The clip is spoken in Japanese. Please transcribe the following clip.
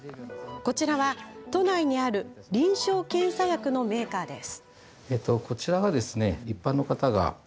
こちらは都内にある臨床検査薬のメーカーです。